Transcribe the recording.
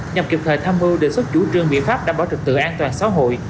nhằm kịp thời tham mưu đề xuất chủ trương biện pháp đảm bảo trực tự an toàn xã hội